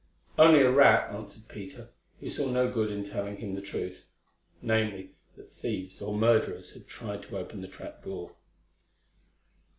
"Only a rat," answered Peter, who saw no good in telling him the truth—namely, that thieves or murderers had tried to open the trap door.